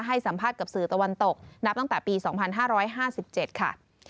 ให้สัมภาษณ์กับสื่อตะวันตกนับตั้งแต่ปี๒๕๕๗ค่ะ